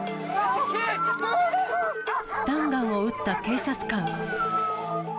スタンガンを撃った警察官。